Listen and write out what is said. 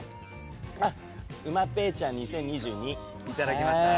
うまペイちゃん２０２２いただきました。